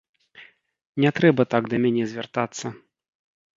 Не трэба так да мяне звяртацца.